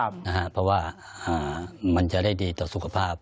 เพราะว่ามันจะได้ดีต่อสุขภาพ